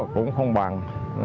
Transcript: cũng không bằng